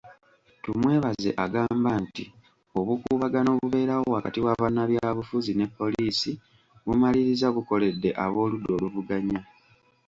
Tumwebaze agamba nti obukuubagano obubeerawo wakati wa bannabyabufuzi ne poliisi bumaliriza bukoledde ab'oludda oluvuganya.